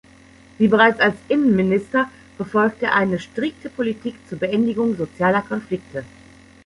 Wie bereits als Innenminister verfolgte er eine strikte Politik zur Beendigung sozialer Konflikte.